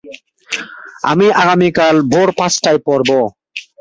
আমি আগামীকাল ভোর পাঁচটায় পড়ব।